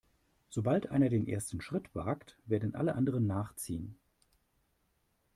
Sobald einer den ersten Schritt wagt, werden alle anderen nachziehen.